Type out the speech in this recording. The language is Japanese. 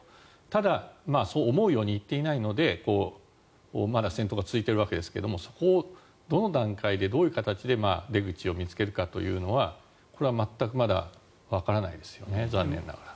ただ、そう思うようにいっていないのでまだ戦闘が続いているわけですけどそこをどの段階でどういう形で出口を見つけるかというのはこれは全くまだわからないですね、残念ながら。